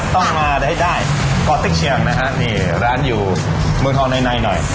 ต้องมาได้อะไรถ้าได้ต่อก็อดติ๊กเชียงนะฮะร้านอยู่เมืองท้อในหน่อย